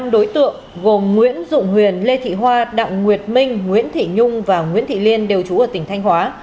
năm đối tượng gồm nguyễn dụng huyền lê thị hoa đặng nguyệt minh nguyễn thị nhung và nguyễn thị liên đều trú ở tỉnh thanh hóa